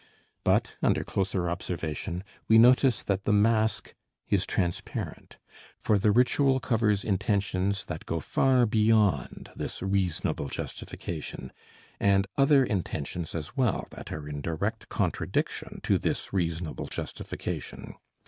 But under closer observation we notice that the mask is transparent, for the ritual covers intentions that go far beyond this reasonable justification, and other intentions as well that are in direct contradiction to this reasonable justification.